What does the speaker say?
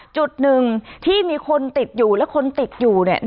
จุดหนึ่งที่มีคนติดอยู่และคนติดอยู่เนี่ย